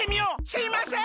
すいません！